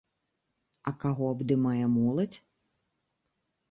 А каго абдымае моладзь?